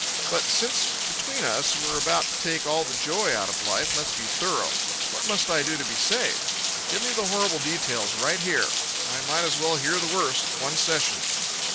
But since, between us, we're about to take all the joy out of life, let's be thorough. What must I do to be saved? Give me the horrible details right here. I might as well hear the worst at one session."